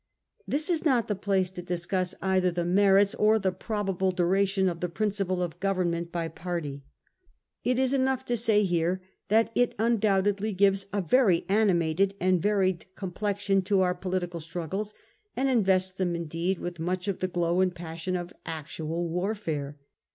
This is not the place to discuss either the merits or the probable duration of the principle of government by party ; it is enough to say here that it undoubtedly gives a very animated and varied complexion to our political struggles, and invests them indeed with much of the glow and passion of actual warfare.